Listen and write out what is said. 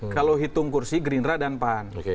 kalau hitung kursi gerindra dan pan